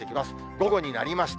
午後になりました。